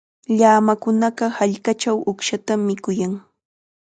Llamakunaqa hallqachaw uqshatam mikuyan.